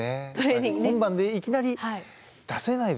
本番でいきなり出せないですもん。